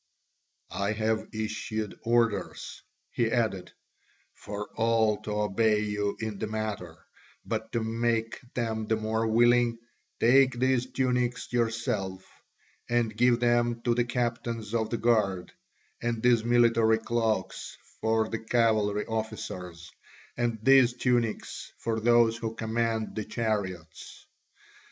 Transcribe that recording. "I have issued orders," he added, "for all to obey you in the matter, but to make them the more willing, take these tunics yourself and give them to the captains of the guard, and these military cloaks for the cavalry officers, and these tunics for those who command the chariots."